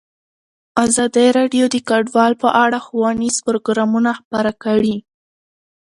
ازادي راډیو د کډوال په اړه ښوونیز پروګرامونه خپاره کړي.